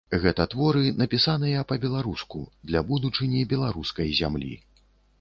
Гэта творы, напісаныя па-беларуску, для будучыні беларускай зямлі.